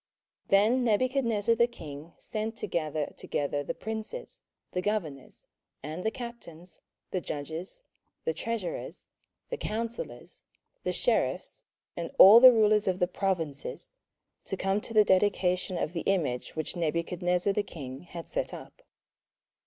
27:003:002 Then Nebuchadnezzar the king sent to gather together the princes, the governors, and the captains, the judges, the treasurers, the counsellors, the sheriffs, and all the rulers of the provinces, to come to the dedication of the image which Nebuchadnezzar the king had set up.